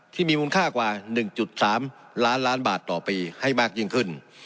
ที่มีมูลค่ากว่า๑๓ล้านล้านบาทต่อปีให้มากยิ่งขึ้น